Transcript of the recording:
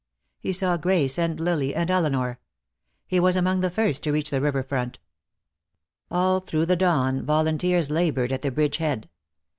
He saw Grace and Lily, and Elinor. He was among the first to reach the river front. All through the dawn volunteers labored at the bridge head.